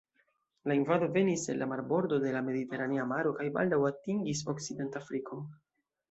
La invado venis el la marbordo de la Mediteranea maro kaj baldaŭ atingis Okcident-Afrikon.